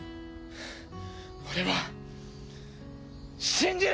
俺は信じる！